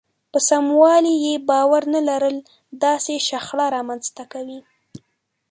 په سموالي يې باور نه لرل داسې شخړه رامنځته کوي.